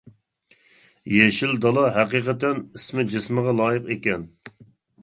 يېشىل دالا ھەقىقەتەن ئىسمى جىسمىغا لايىق ئىكەن.